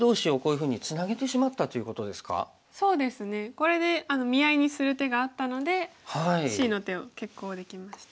これで見合いにする手があったのでＣの手を決行できました。